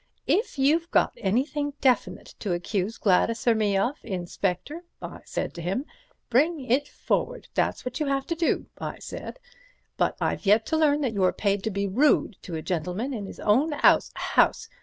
'If you've got anything definite to accuse Gladys or me of, Inspector,' I said to him, 'bring it forward, that's what you have to do,' I said, 'but I've yet to learn that you're paid to be rude to a gentleman in his own 'ouse—house.'